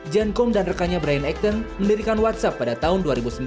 jan kong dan rekannya brian acton mendirikan whatsapp pada tahun dua ribu sembilan